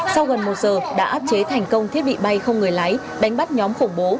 sau gần một giờ đã áp chế thành công thiết bị bay không người lái đánh bắt nhóm khủng bố